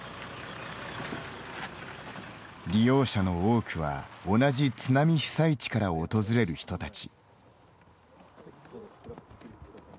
利用者の多くは、同じ津波被災地から訪れる人たち。